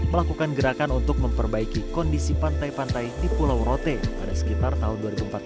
melakukan gerakan untuk memperbaiki kondisi pantai pantai di pulau rote pada sekitar tahun dua ribu empat belas